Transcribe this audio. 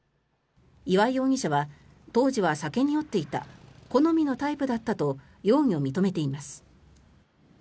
岩井容疑者は当時は酒に酔っていた好みのタイプだったと容疑を認めています。